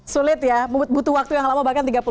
sulit ya butuh waktu yang lama bahkan tiga puluh tahun